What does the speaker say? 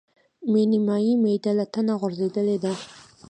مې نيمایي معده له تنه غورځولې ده.